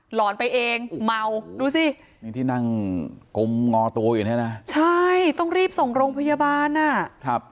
หลอนไปเองเมาดูสิที่นั่งกลมงอตัวอยู่นะใช่ต้องรีบส่งโรงพยาบาล